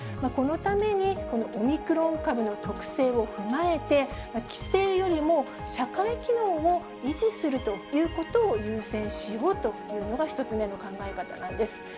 このために、このオミクロン株の特性を踏まえて、規制よりも社会機能を維持するということを優先しようというのが、１つ目の考え方なんです。